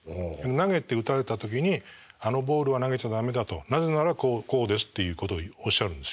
投げて打たれた時にあのボールは投げちゃ駄目だとなぜならこうこうですっていうことをおっしゃるんですよ。